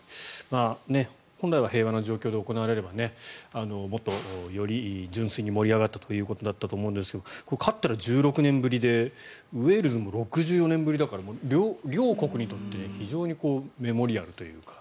本来は平和な状況で行われればもっとより純粋に盛り上がったということだったと思いますが勝ったら１６年ぶりでウェールズも６４年ぶりだから両国にとって非常にメモリアルというか。